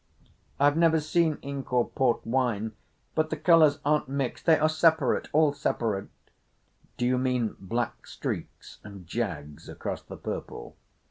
"I've never seen ink or port wine, but the colours aren't mixed. They are separate—all separate." "Do you mean black streaks and jags across the purple?"